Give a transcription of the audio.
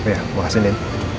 ya makasih nen